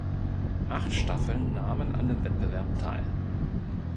Acht Staffeln nahmen an dem Wettbewerb teil.